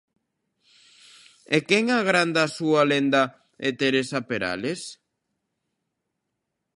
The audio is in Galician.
E quen agranda a súa lenda é Teresa Perales.